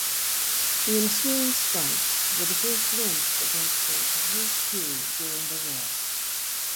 The ensuing strikes were the first launched against the Ryukyus during the war.